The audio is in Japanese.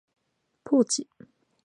ポーチ